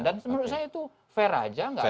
dan menurut saya itu fair aja